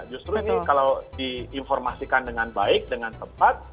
justru ini kalau diinformasikan dengan baik dengan tepat